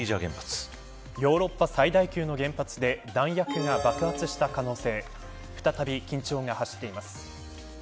ヨーロッパ最大級の原発で弾薬が爆発した可能性再び、緊張が走っています。